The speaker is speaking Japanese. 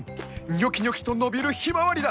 ニョキニョキと伸びるヒマワリだ！